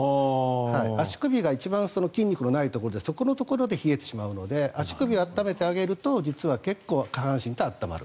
足首が一番筋肉がないところでそこのところで冷えてしまうので足首を温めてあげると実は結構下半身って温まる。